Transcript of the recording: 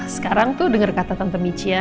sekarang tuh denger kata tante mici ya